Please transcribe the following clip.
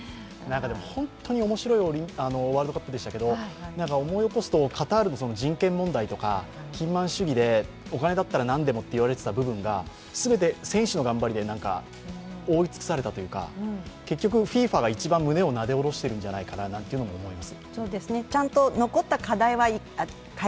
本当に面白いワールドカップでしたけど、思い起こすとカタールの人権問題とか、金満主義でお金だったらなんでもと言われていたのが全て選手の頑張りで覆い尽くされたというか、結局ＦＩＦＡが一番胸をなで下ろしてるんじゃないかと思います。